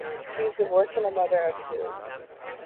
She is divorced and a mother of two.